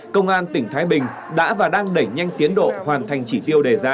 công an tỉnh thái bình đã và đang đẩy nhanh tiến độ hoàn thành chỉ tiêu đề ra